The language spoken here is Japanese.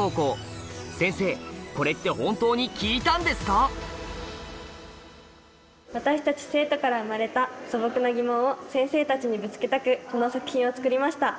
１つ目は私たち生徒から生まれた素朴な疑問を先生たちにぶつけたくこの作品を作りました。